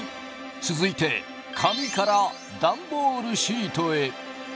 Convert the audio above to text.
続いて紙からダンボールシートへ。